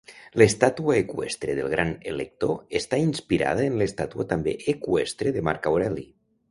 L'estàtua eqüestre del gran elector està inspirada en l'estàtua també eqüestre de Marc Aureli.